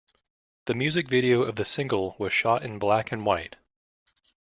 The music video of the single was shot in black-and-white.